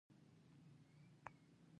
خو د ټولنې رول پکې ډیر دی.